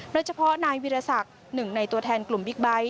โดยเฉพาะนายวิรสักหนึ่งในตัวแทนกลุ่มบิ๊กไบท์